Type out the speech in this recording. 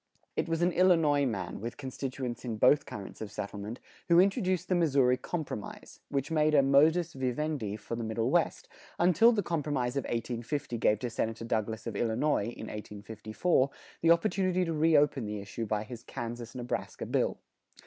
It was an Illinois man, with constituents in both currents of settlement, who introduced the Missouri Compromise, which made a modus vivendi for the Middle West, until the Compromise of 1850 gave to Senator Douglas of Illinois, in 1854, the opportunity to reopen the issue by his Kansas Nebraska bill.